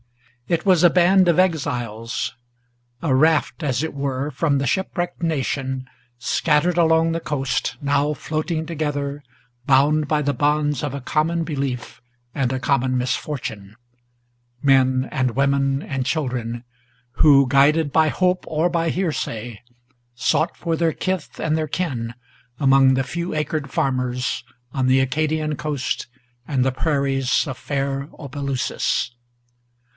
It was a band of exiles: a raft, as it were, from the shipwrecked Nation, scattered along the coast, now floating together, Bound by the bonds of a common belief and a common misfortune; Men and women and children, who, guided by hope or by hearsay, Sought for their kith and their kin among the few acred farmers On the Acadian coast, and the prairies of fair Opelousas.